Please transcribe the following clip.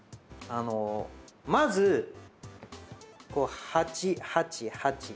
まず８８８。